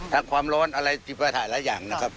ทั้งความร้อนอะไรสิบหัวถ่ายหลายอย่าง